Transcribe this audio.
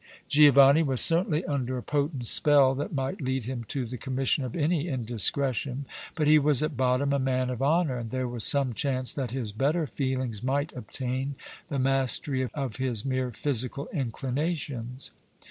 Giovanni was certainly under a potent spell that might lead him to the commission of any indiscretion, but he was at bottom a man of honor, and there was some chance that his better feelings might obtain the mastery of his mere physical inclinations.